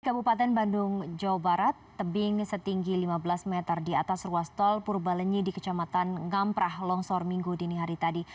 kabupaten bandung jawa barat tebing setinggi lima belas meter di atas ruas tol purbalenyi di kecamatan ngamprah longsor minggu dini hari tadi